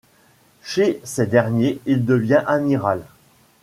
Chez ces derniers, il devient amiral.